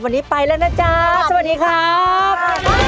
วันนี้ไปแล้วนะจ๊ะสวัสดีครับ